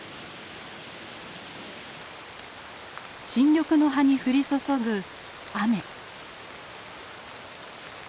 新緑の葉に降り注ぐ雨。